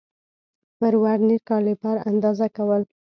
پر ورنیر کالیپر اندازه کول